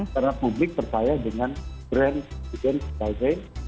karena publik percaya dengan brand brand yang sejajar